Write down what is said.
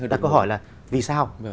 đặt câu hỏi là vì sao